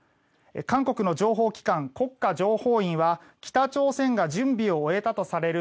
韓国の情報機関国家情報院は北朝鮮が準備を終えたとされる